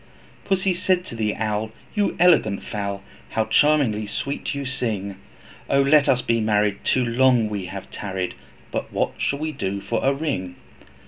Pussy said to the Owl, 'You elegant fowl, How charmingly sweet you sing. O let us be married, too long have we tarried, But what shall we do for a ring?'